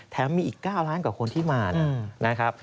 มีอีก๙ล้านกว่าคนที่มานะครับ